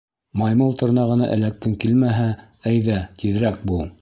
Маймыл тырнағына эләккең килмәһә, әйҙә, тиҙерәк бул.